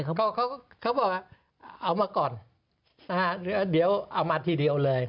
เขาบอกว่าเอามาก่อนเดี๋ยวเอามาทีเดียวเลย